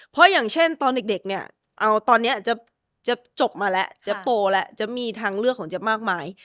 เพราะอย่างเช่นตอนเด็กเนี่ยเอาตอนนี้เจ๊จบมาแล้วเจ๊โตแล้วเจ๊บมีทางเลือกของเจ๊บมากมาย